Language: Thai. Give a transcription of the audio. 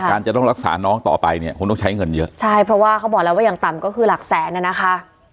จะต้องรักษาน้องต่อไปเนี่ยคงต้องใช้เงินเยอะใช่เพราะว่าเขาบอกแล้วว่าอย่างต่ำก็คือหลักแสนน่ะนะคะ